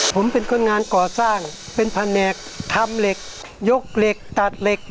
ผมเป็นคนงานก่อสร้างเป็นแผนกทำเหล็กยกเหล็กตัดเหล็ก